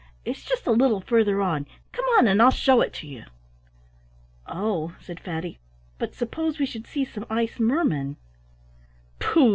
It's just a little farther on; come on and I'll show it to you." "Oh," said Fatty, "but suppose we should see some ice mermen?" "Pooh!"